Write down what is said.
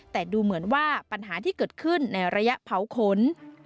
แต่ดูเหมือนว่าปัญหาที่เกิดขึ้นในระยะเผาขน